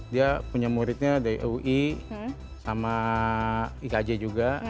dia punya muridnya dari ui sama ikj juga